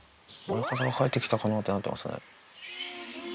親方が帰ってきたかなってなってただいま。